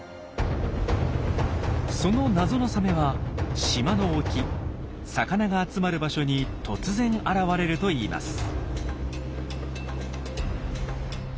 その謎のサメは島の沖魚が集まる場所に突然現れるといいます。